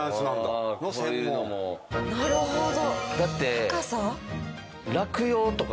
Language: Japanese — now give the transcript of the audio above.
なるほど。